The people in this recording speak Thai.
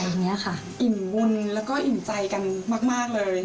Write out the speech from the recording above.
หยิมวุ่นแล้วอื่นใจกันมากแล้วค่ะ